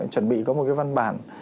chuẩn bị có một cái văn bản